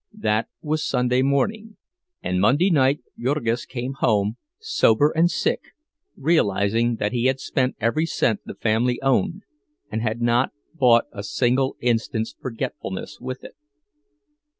That was Sunday morning, and Monday night Jurgis came home, sober and sick, realizing that he had spent every cent the family owned, and had not bought a single instant's forgetfulness with it.